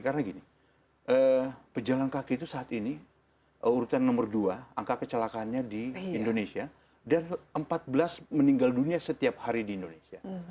karena gini pejalan kaki itu saat ini urutan nomor dua angka kecelakaannya di indonesia dan empat belas meninggal dunia setiap hari di indonesia